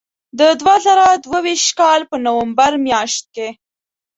د دوه زره دوه ویشت کال په نومبر میاشت کې.